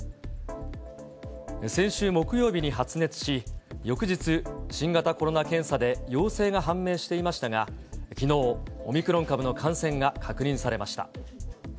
先週木曜日に発熱し、翌日、新型コロナ検査で陽性が判明していましたが、きのう、オミクロン株の感染が確認されました。